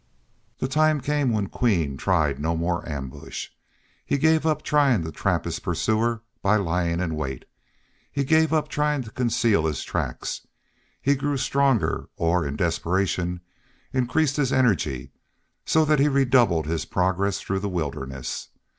The time came when Queen tried no more ambush. He gave up trying to trap his pursuer by lying in wait. He gave up trying to conceal his tracks. He grew stronger or, in desperation, increased his energy, so that he redoubled his progress through the wilderness.